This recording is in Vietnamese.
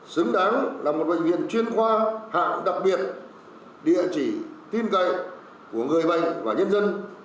xứng đáng là một bệnh viện chuyên khoa hạng đặc biệt địa chỉ tin cậy của người bệnh và nhân dân